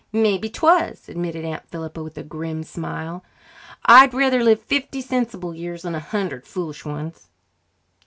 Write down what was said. "Mebbe 'twas," admitted Aunt Philippa with a grim smile. "I'd rather live fifty sensible years than a hundred foolish ones."